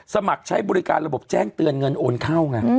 สมัครใช้บริการระบบแจ้งเตือนเงินโอนเข้าไง